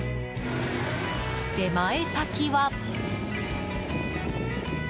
出前先は。